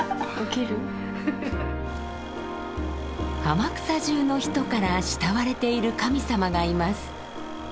天草じゅうの人から慕われている神様がいます。